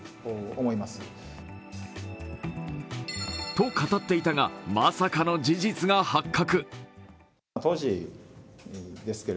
と語っていたがまさかの事実が発覚。